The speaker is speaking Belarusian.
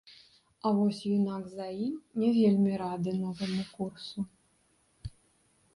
А вось юнак за ім не вельмі рады новаму курсу.